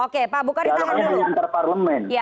dialognya diantara parlemen